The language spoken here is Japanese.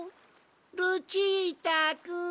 ルチータくん。